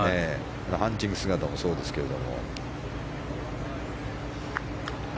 ハンチング姿もそうですけど。